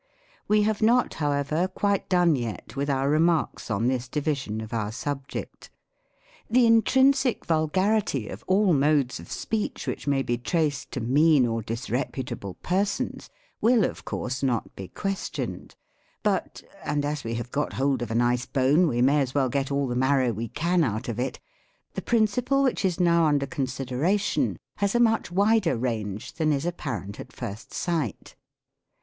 We have not, however, quite done yet with our remarks on this division of our sub ject. The intrinsic vulgarity of all modes of speech •which may be traced to mean or disreputable persons, will, of course, not be questioned. But — and as we have got hold of a nice bone, we may as well get all the marrow vv^e can out of it — the principle which is now under consideration has a much wider range than is apparent at first sight.